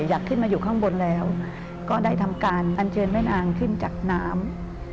อยากขึ้นมาอยู่ข้างบนแล้วก็ได้ทำการอันเชิญแม่นางขึ้นจากน้ำ